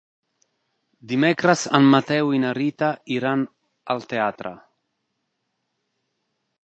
Dimecres en Mateu i na Rita iran al teatre.